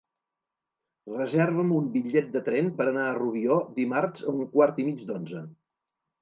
Reserva'm un bitllet de tren per anar a Rubió dimarts a un quart i mig d'onze.